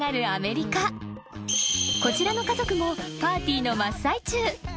［こちらの家族もパーティーの真っ最中］